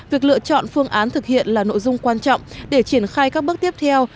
việc lựa chọn phương án thực hiện là nội dung quan trọng để triển khai các bước tiếp theo